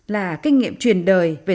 là kinh nghiệm truyền đời về